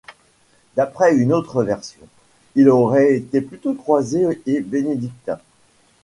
D'après une autre version, il aurait été plutôt croisé et bénédictin.